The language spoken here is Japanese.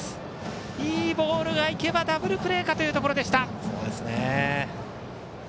いいボールが行けばダブルプレーかというところでした。